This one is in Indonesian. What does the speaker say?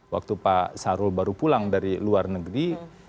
waktu pak sarul baru pulang dari luar negeri